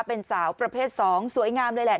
เป็นสาวประเภท๒สวยงามเลยแหละ